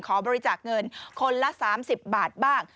ขอบริจาคเงินคนละ๓๐บาทบ้าง